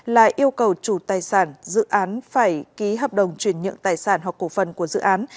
là yêu cầu chủ tài sản dự án phải ký hợp đồng truyền nhượng tài sản hoặc cổ phần của dự án